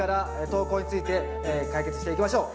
投稿について解決していきましょう。